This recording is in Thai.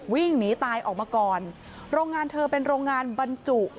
วิ่งหนีตายออกมาก่อนโรงงานเธอเป็นโรงงานบรรจุ